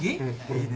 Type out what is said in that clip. いいね。